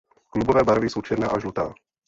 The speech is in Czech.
Klubové barvy jsou černá a žlutá.